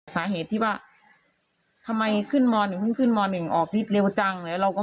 สาเหตุที่ว่าทำไมขึ้นม๑ขึ้นม๑ออกรีบเร็วจังแล้วเราก็